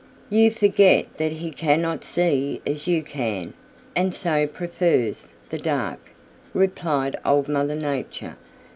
"You forget that he cannot see as you can, and so prefers the dark," replied Old Mother Nature.